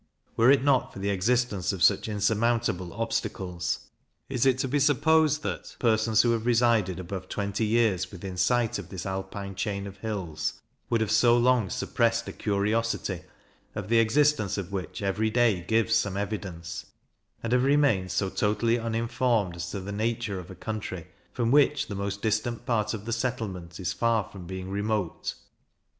Were it not for the existence of such insurmountable obstacles, is it to be supposed that persons who have resided above twenty years within sight of this Alpine chain of hills, would have so long suppressed a a curiosity, of the existence of which every day gives some evidence, and have remained so totally uninformed as to the nature of a country, from which the most distant part of the settlement is far from being remote?